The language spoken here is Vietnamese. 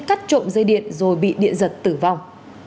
cắt trộm dây điện rồi bị điện giật tử vong